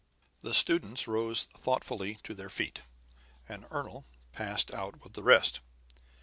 The students rose thoughtfully to their feet, and Ernol passed out with the rest.